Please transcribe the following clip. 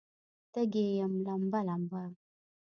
تږې یم لمبه، لمبه